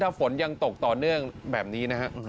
ถ้าฝนยังตกต่อเนื่องแบบนี้นะฮะ